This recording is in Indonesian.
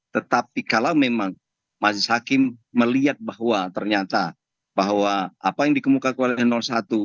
tetapi kalau memang majelis hakim melihat bahwa ternyata bahwa apa yang dikemukakan oleh satu